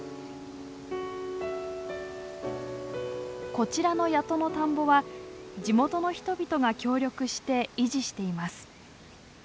こちらの谷戸の田んぼは地元の人々が協力して維持しています。